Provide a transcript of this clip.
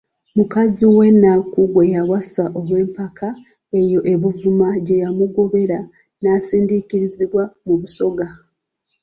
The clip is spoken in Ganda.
Mukazi we Nnakku gwe yawasa olw'empaka, eyo e Buvuma gye yamugobera n'asindiikirizibwa mu Busoga.